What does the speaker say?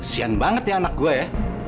sian banget ya anak gue ya